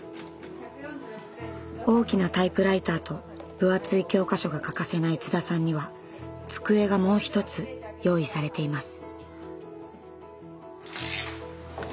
大きなタイプライターと分厚い教科書が欠かせない津田さんには机がもう一つ用意されています。